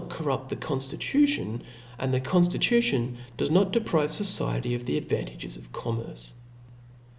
corrupt the conftitution, and the con ftitution dpes not deprive the fociety of the advan* tages of commerce.